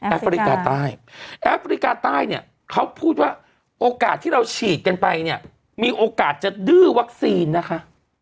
แฟริกาใต้แอฟริกาใต้เนี่ยเขาพูดว่าโอกาสที่เราฉีดกันไปเนี่ยมีโอกาสจะดื้อวัคซีนนะคะ